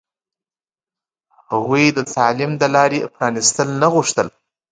هغوی د تعلیم د لارې پرانستل نه غوښتل.